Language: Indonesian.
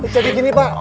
jadi gini pak